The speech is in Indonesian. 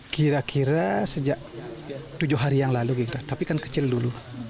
kira kira sejak tujuh hari yang lalu kita tapi kan kecil dulu